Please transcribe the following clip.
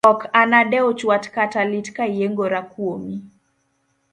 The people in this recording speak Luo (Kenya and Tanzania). Ok anadew chwat kata lit kayiengora kuomi.